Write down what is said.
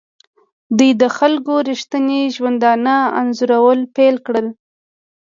دوی د خلکو ریښتیني ژوندانه انځورول پیل کړل.